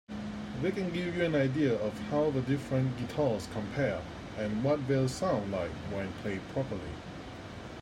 They can give you an idea of how the different guitars compare and what they'll sound like when played properly.